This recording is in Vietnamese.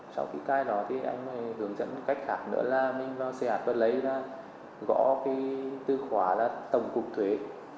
sau khi cài đặt anh hướng dẫn cách khác nữa là mình vào xe hạt và lấy ra gõ tư khóa là tổng cục thuế